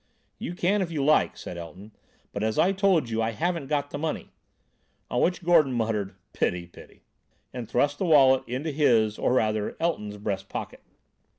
"You can if you like," said Elton; "but as I told you, I haven't got the money;" on which Gordon muttered: "Pity, pity," and thrust the wallet into his, or rather, Elton's breast pocket.